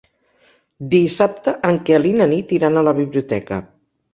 Dissabte en Quel i na Nit iran a la biblioteca.